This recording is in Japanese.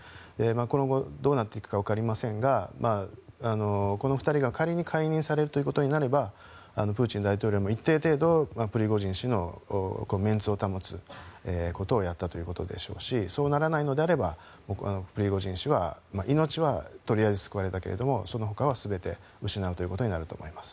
今後どうなっていくかわかりませんがこの２人が仮に解任されるということになればプーチン大統領も一定程度、プリゴジン氏のメンツを保つということをやったということでしょうしそうならないのであればプリゴジン氏は命はとりあえず救われたけどもそのほかは全て失うことになると思います。